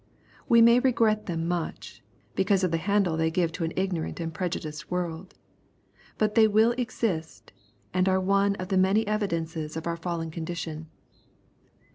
We may regret them much, because of the handle they give to an igni^rant and prejudiced world. But they will exist, and are one of the many evidences of our fallen 7* \ 154 EXPOSITOBY THOUGHTS. condition.